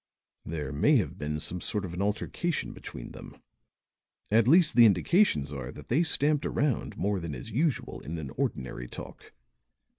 There may have been some sort of an altercation between them; at least the indications are that they stamped about more than is usual in an ordinary talk.